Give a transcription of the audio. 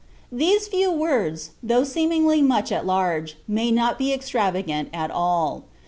These few words, though seemingly much at large, may not be extravagant at all.